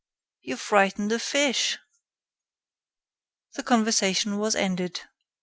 You frighten the fish." The conversation was ended.